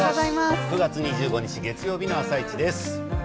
９月２５日月曜日の「あさイチ」です。